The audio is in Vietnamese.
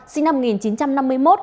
sinh năm một nghìn chín trăm năm mươi một